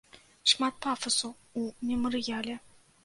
Шмат пафасу ў мемарыяле.